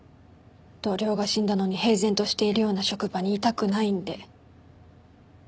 同僚が死んだのに平然としているような職場にいたくないんで。